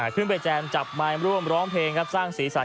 ขึ้นไปแจมจับไม้ร่วมร้องเพลงแล้วช่างสีสัน